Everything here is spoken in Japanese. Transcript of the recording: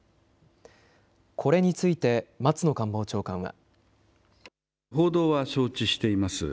これについて松野官房長官は。